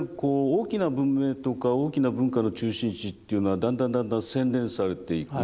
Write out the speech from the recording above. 大きな文明とか大きな文化の中心地というのはだんだんだんだん洗練されていく。